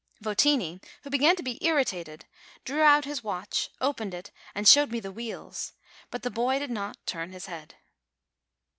Votini, who began to be irritated, drew out his watch, opened it, and showed me the wheels; but the boy did not turn his head.